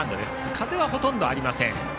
風はほとんどありません。